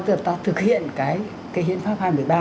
tức là ta thực hiện cái hiến pháp hai mươi ba